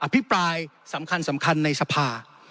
อภิปรายสำคัญในสภา